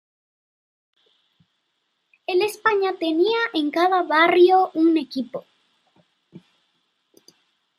El España tenía en cada barrio un equipo.